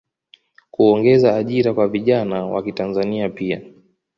kuongeza ajira kwa vijana wakitanzania pia